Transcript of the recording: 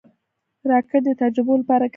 راکټ د تجربو لپاره کارېږي